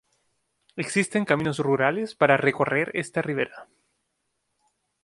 Existen caminos rurales para recorrer esta ribera.